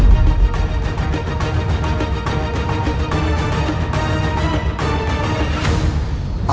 jangan pernah memaksaku